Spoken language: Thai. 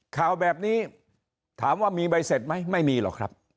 ข่าวแบบนี้ถามว่ามีใบเสร็จไหมไม่มีหรอกครับ